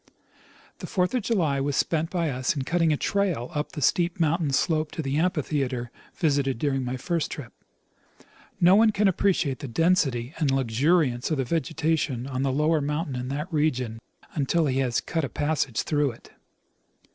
The fourth of July was spent by us in cutting a trail up the steep mountain slope to the amphitheatre visited during my first tramp. No one can appreciate the density and luxuriance of the vegetation on the lower mountain in that region until he has cut a passage through it.